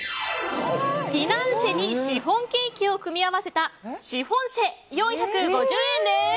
フィナンシェにシフォンケーキを組み合わせたシフォンシェ、４５０円です。